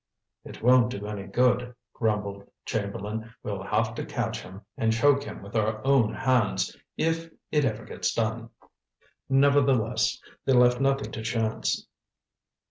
"It won't do any good," grumbled Chamberlain. "We'll have to catch him and choke him with our own hands, if it ever gets done." Nevertheless, they left nothing to chance.